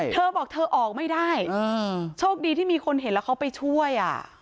เธอบอกเธอออกไม่ได้โชคดีที่มีคนเห็นแล้วเขาไปช่วย